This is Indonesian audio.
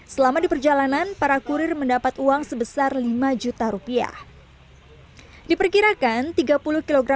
selama di perjalanan para kurir mendapat uang sebesar lima juta rupiah diperkirakan tiga puluh kg